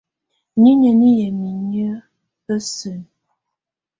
Niinyǝ́ nɛ yamɛ̀á inyǝ́ á sǝni.